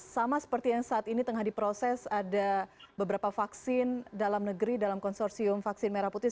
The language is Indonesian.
sama seperti yang saat ini tengah diproses ada beberapa vaksin dalam negeri dalam konsorsium vaksin merah putih